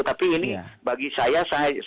tapi ini bagi saya secara spontanitas